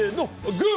グー！